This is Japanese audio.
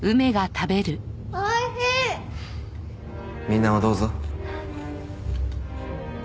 みんなもどうぞ。